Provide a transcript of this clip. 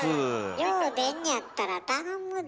よう出んねやったら頼むで。